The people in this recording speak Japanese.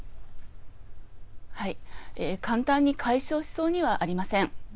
簡単に解消しそうにはありません。